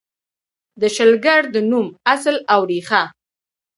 د شلګر د نوم اصل او ریښه: